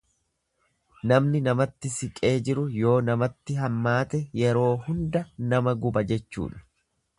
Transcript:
Namni namatti siqee jiru yoo namatti hammaate yeroo hunda nama guba jechuudha.